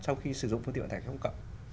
sau khi sử dụng phương tiện hoàn thành không cậu